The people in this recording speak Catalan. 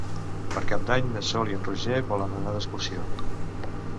Per Cap d'Any na Sol i en Roger volen anar d'excursió.